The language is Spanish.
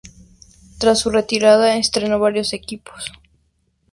Tras su retirada entrenó a varios equipos.